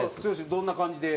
どんな感じで？